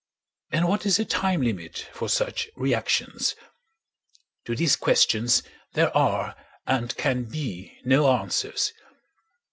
And what is the time limit for such reactions? To these questions there are and can be no answers.